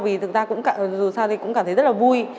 vì thực ra dù sao thì cũng cảm thấy rất là vui